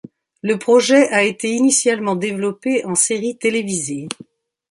Le projet a été initialement développé en série télévisée.